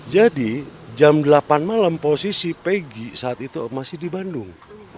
jadi jam delapan malam posisi pegi saat itu masih di bandung